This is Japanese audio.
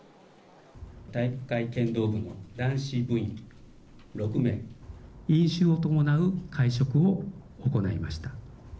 体育会剣道部の男子部員６名、飲酒を伴う会食を行いました。